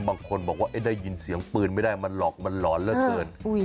บางคนบอกว่าได้ยินเสียงปืนไม่ได้มันหลอดเชิญ